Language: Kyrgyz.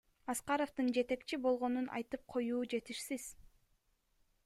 Аскаровдун жетекчи болгонун айтып коюу жетишсиз.